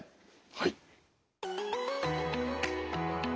はい。